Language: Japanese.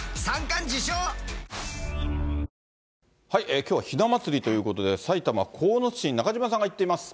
きょうはひな祭りということで、埼玉・鴻巣市に中島さんが行っています。